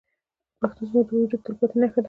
پښتو زموږ د وجود تلپاتې نښه ده.